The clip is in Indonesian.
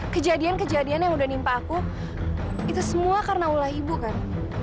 kejadian kejadian yang udah nimpa aku itu semua karena ulah ibu kan